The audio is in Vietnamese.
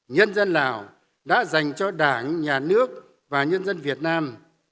nhân dân lào đã dành cho đảng nhà nước và nhân dân việt nam